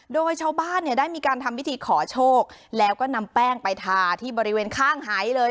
โดยชาวบ้านเนี่ยได้มีการทำพิธีขอโชคแล้วก็นำแป้งไปทาที่บริเวณข้างหายเลย